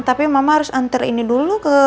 tapi mama harus antar ini dulu ke